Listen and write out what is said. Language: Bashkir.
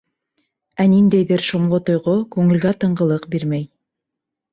Ә ниндәйҙер шомло тойғо күңелгә тынғылыҡ бирмәй.